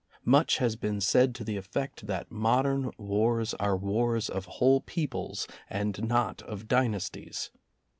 Much has been said to the effect that modern wars are wars of whole peoples and not of dynasties.